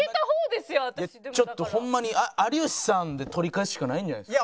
ちょっとホンマに有吉さんで取り返すしかないんじゃないですか？